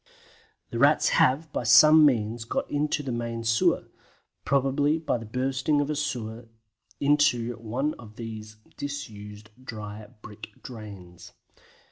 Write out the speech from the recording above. The Rats have, by some means, got out of the main sewer, probably by the bursting of a sewer into one of these disused dry brick drains.